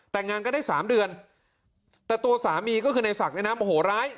แต่งงานก็ได้สามเดือนแต่ตัวสามีก็คือในศักดิ์เนี่ยนะโมโหร้าย